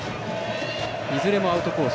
いずれもアウトコース